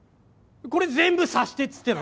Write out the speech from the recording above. これ全部察してっつってんの？